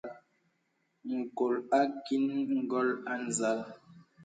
Ǹkɔl àkìŋ ngɔn à nzàl.